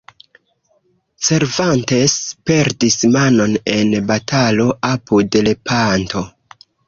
Cervantes perdis manon en batalo apud Lepanto.